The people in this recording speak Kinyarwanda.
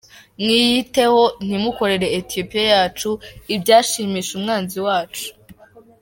Mwiyiteho nti mukorere Etiyopiya yacu ibyashimisha umwanzi wacu.